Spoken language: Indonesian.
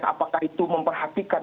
apakah itu memperhatikan